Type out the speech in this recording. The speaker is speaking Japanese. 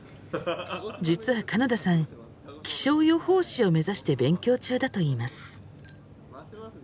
実は金田さん気象予報士を目指して勉強中だといいます。